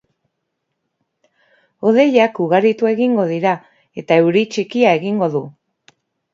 Hodeiak ugaritu egingo dira eta euri txikia egingo du.